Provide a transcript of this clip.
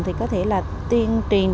thì có thể là tuyên truyền